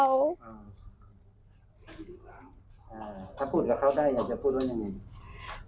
ถ้าพูดกับเขาได้อยากจะพูดว่ายังไง